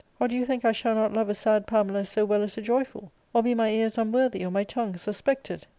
Or do you think I shall not love a sad Pamela so well as a joyful ? Or be my ears unworthy, or my tongue suspected?